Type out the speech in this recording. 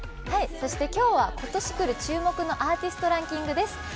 そして今日は今年くる注目のアーティストランキングです。